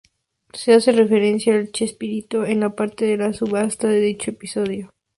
Se hace referencia a Chespirito en la parte de la subasta de dicho episodio.